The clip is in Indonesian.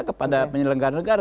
kepada penyelenggara negara